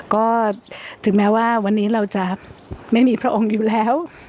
ก็ถึงแม้ว่าวันนี้เราจะไม่มีพระองค์อยู่แล้ว